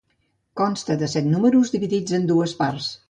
Consta de set números, dividits en dues parts.